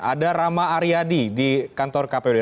ada rama aryadi di kantor kpud